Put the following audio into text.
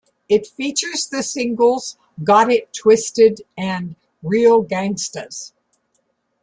It features the singles "Got It Twisted" and "Real Gangstaz.